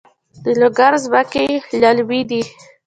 د لوګر ځمکې للمي دي